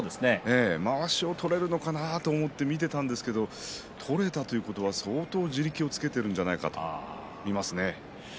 まわしを取れるのかなと思って見ていたんですが取れたということは相当、地力をつけているんじゃないかと思います。